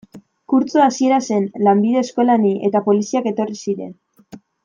Kurtso hasiera zen, lanbide eskolan ni, eta poliziak etorri ziren.